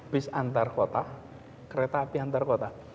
bis antar kota kereta api antar kota